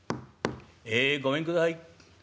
「ええごめんください」。